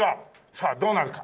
さあどうなるか？